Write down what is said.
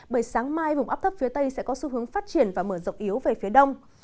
bởi sáng mai vùng áp thấp phía tây sẽ có xu hướng phát triển và mở rộng yếu về phía đông